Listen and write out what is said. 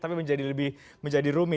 tapi menjadi lebih rumi